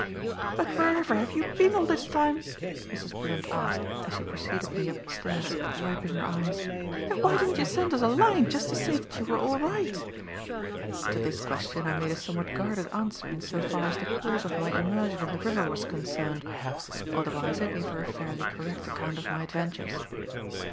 "But wherever have you been all this time?" Mrs. Blunt asked, as she preceded me up the stairs wiping her eyes, "and why didn't you send us a line just to say that you were all right?" To this question I made a somewhat guarded answer in so far as the cause of my immersion in the river was concerned; otherwise I gave her a fairly correct account of my adventures.